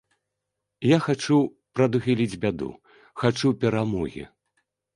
Я хачу прадухіліць бяду, хачу перамогі.